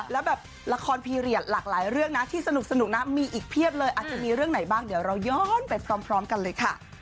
แล้วแบบละครพีเรียสหลากหลายเรื่องนะที่สนุกนะมีอีกเพียบเลยอาจจะมีเรื่องไหนบ้างเดี๋ยวเราย้อนไปพร้อมกันเลยค่ะ